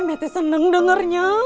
emek itu senang dengarnya